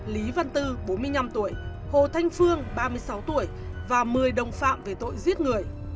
lý văn tư bốn mươi năm tuổi hồ thanh phương ba mươi sáu tuổi và một mươi đồng phạm về tội giết người